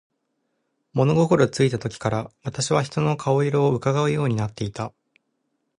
物心ついた時から、私は人の顔色を窺うようになっていた。